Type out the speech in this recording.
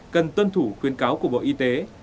cần tuân thủ khuyến cáo của bộ y tế